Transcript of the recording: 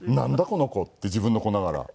この子って自分の子ながら。